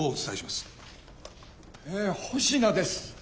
え保科です。